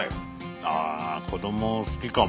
ああ子ども好きかも。